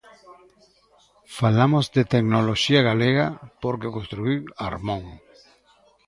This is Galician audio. Falamos de tecnoloxía galega porque o construíu Armón.